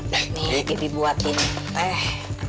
dan ini bibi buatin teh